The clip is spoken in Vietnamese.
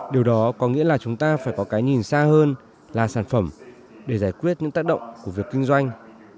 điều đó có nghĩa là chúng ta phải có cái nhìn xa hơn là sản phẩm để giải quyết những tác động của việc kinh doanh